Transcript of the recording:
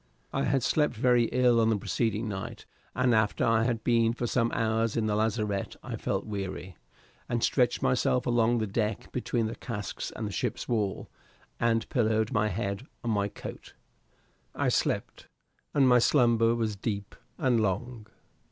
I had slept very ill on the preceding night, and after I had been for some hours in the lazarette I felt weary, and stretched myself along the deck between the casks and the ship's wall, and pillowed my head on my coat. I slept, and my slumber was deep and long.